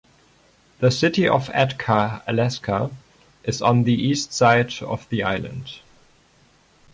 The city of Atka, Alaska is on the east side of the island.